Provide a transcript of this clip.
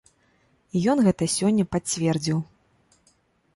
І ён гэта сёння пацвердзіў.